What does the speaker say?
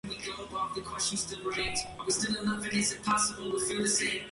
Yavorsky's life now changed dramatically.